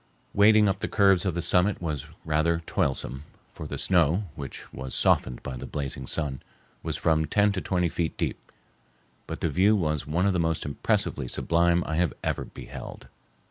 Wading up the curves of the summit was rather toilsome, for the snow, which was softened by the blazing sun, was from ten to twenty feet deep, but the view was one of the most impressively sublime I ever beheld.